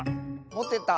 もてた。